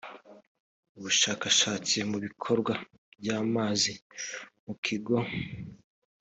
ubushakashatsi mu bikorwa by’amazi mu kigo